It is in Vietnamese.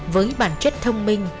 với bản chất thông minh